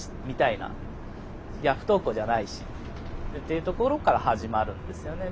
いや不登校じゃないしっていうところから始まるんですよね。